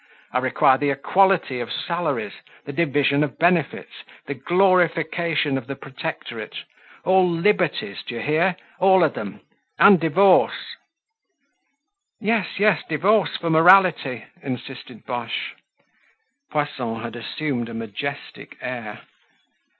I require the equality of salaries, the division of benefits, the glorification of the protectorate. All liberties, do you hear? All of them! And divorce!" "Yes, yes, divorce for morality!" insisted Boche. Poisson had assumed a majestic air.